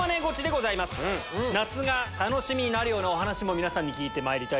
夏が楽しみになるようなお話も皆さんに聞いてまいります。